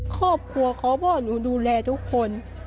ครอบครัวเขาพ่อหนูดูแลทุกคน